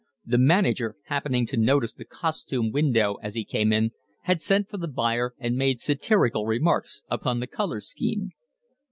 The manager, happening to notice the costume window as he came in, had sent for the buyer and made satirical remarks upon the colour scheme.